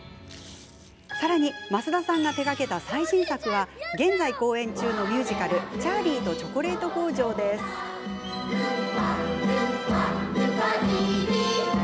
さらに、増田さんが手がけた最新作は現在、公演中のミュージカル「チャーリーとチョコレート工場」です。「ウンパ・ルンパルカティービ」